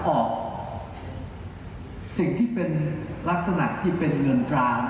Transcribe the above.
สิ่งที่เป็นลักษณะที่เป็นเงินตรา